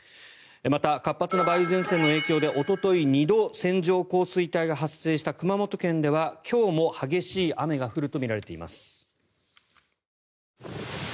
また、活発な梅雨前線の影響でおととい、２度線状降水帯が発生した熊本県では今日も激しい雨が降るとみられています。